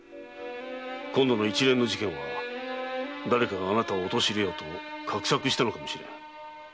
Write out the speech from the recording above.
今度の一連の事件は誰かがあなたを陥れようと画策したのかもしれない。